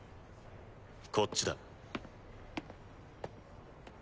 こっちだ。